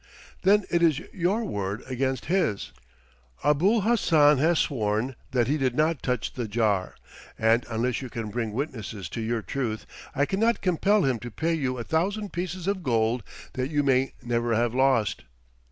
"Then it is your word against his. Abul Hassan has sworn that he did not touch the jar, and unless you can bring witnesses to your truth, I cannot compel him to pay you a thousand pieces of gold that you may never have lost."